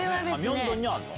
明洞にあるの？